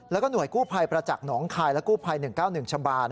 แล้วก็หน่วยกู้ภัยประจักษ์หนองคายและกู้ภัย๑๙๑ชะบาน